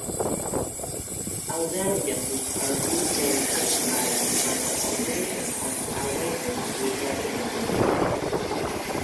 Aldaric acids are usually synthesized by the oxidation of aldoses with nitric acid.